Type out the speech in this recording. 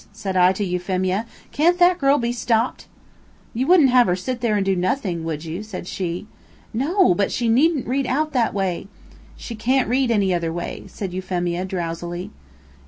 said I to Euphemia, "can't that girl be stopped?" "You wouldn't have her sit there and do nothing, would you?" said she. "No; but she needn't read out that way." "She can't read any other way," said Euphemia, drowsily.